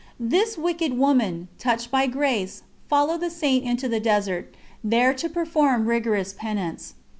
This wicked woman, touched by grace, followed the Saint into the desert, there to perform rigorous penance.